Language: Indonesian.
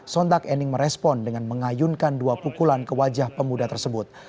sontak ening merespon dengan mengayunkan dua pukulan ke wajah pemuda tersebut